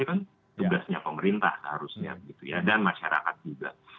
itu kan tugasnya pemerintah seharusnya dan masyarakat juga